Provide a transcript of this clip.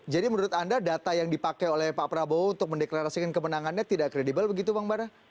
jadi menurut anda data yang dipakai oleh pak prabowo untuk mendeklarasikan kemenangannya tidak kredibel begitu bang bara